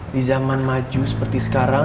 di zaman maju seperti sekarang